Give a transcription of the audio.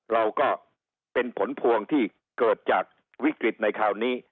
เราก็เป็นผลพวงที่เกิดจากวิกฤตในคราวนี้